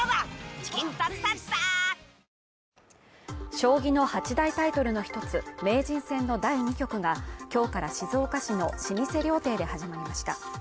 将棋の八大タイトルの一つ名人戦の第２局が今日から静岡市の老舗料亭で始まりました。